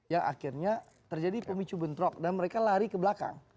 yang akhirnya terjadi pemicu bentrok dan mereka lari ke belakang